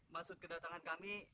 maksud kedatangan kami